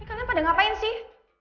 kalian pada ngapain sih